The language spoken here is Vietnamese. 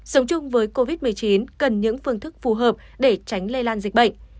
sống chung với covid một mươi chín cần những phương thức phù hợp để tránh lây lan dịch bệnh